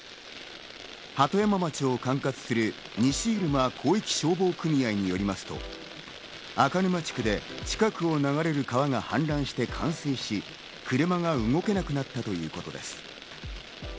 鳩山町を管轄する西入間広域消防組合によりますと、赤沼地区で近くを流れる川が氾濫して冠水し、車が動けなくなったということです。